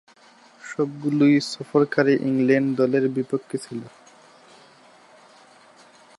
সবগুলোই সফরকারী ইংল্যান্ড দলের বিপক্ষে ছিল।